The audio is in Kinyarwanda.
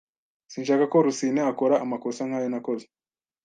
Sinshaka ko Rusine akora amakosa nkayo nakoze.